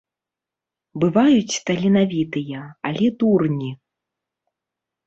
Бываюць таленавітыя, але дурні.